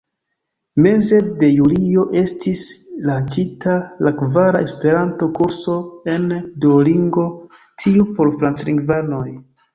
Meze de julio estis lanĉita la kvara Esperanto-kurso en Duolingo, tiu por franclingvanoj.